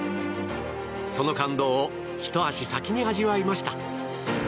その感動をひと足先に味わいました。